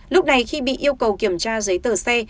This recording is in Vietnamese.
lúc này khi bị yêu cầu kiểm tra giấy tờ xe